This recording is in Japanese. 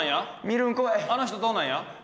あの人どうなんや？